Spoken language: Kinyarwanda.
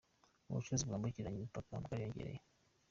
Ubucuruzi bwambukiranya imipaka bwariyongereye